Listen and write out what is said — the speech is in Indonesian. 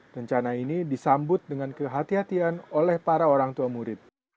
rencana ini disambut dengan kehatian oleh para orang tua murid